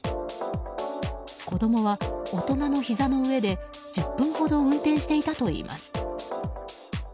子供は、大人のひざの上で１０分ほど運転していたといいます。